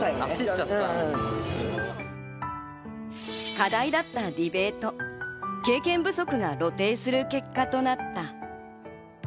課題だったディベート、経験不足が露呈する結果となった。